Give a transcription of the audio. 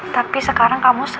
tapi sekarang aku udah